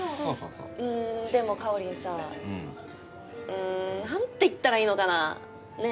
うんでもかおりんさぁうん何て言ったらいいのかなねぇ。